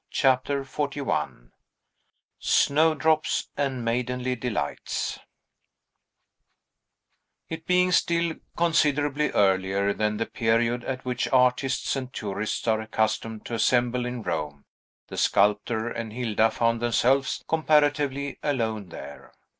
CHAPTER XLI SNOWDROPS AND MAIDENLY DELIGHTS It being still considerably earlier than the period at which artists and tourists are accustomed to assemble in Rome, the sculptor and Hilda found themselves comparatively alone there.